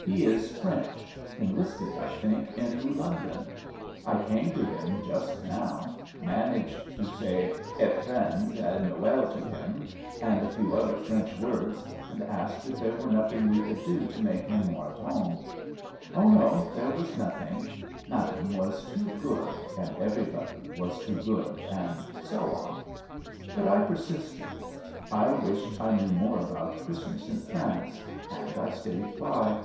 He is French, enlisted, I think, in New London. I came to him just now, managed to say étrennes and Noël to him, and a few other French words, and asked if there were nothing we could do to make him more at home. Oh, no! there was nothing; madame was too good, and everybody was too good, and so on. But I persisted. I wished I knew more about Christmas in France; and I staid by.